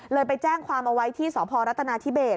เลยไปแจ้งความเอาไว้ที่สรัตนาทิเบศ